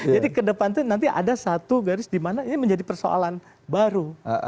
jadi ke depan itu nanti ada satu garis di mana ini menjadi persoalan baru